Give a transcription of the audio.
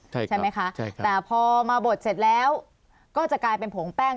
ใช่ไหมคะใช่แต่พอมาบดเสร็จแล้วก็จะกลายเป็นผงแป้ง